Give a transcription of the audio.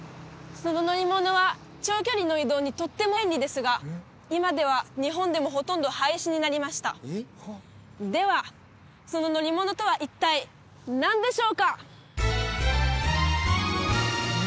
その乗り物は長距離の移動にとっても便利ですが今では日本でもほとんど廃止になりましたではその乗り物とは一体何でしょうか？